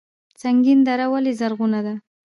سنګین دره ولې زرغونه ده؟